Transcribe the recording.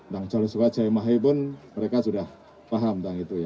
dan jalur suwajai mahe pun mereka sudah paham tentang itu ya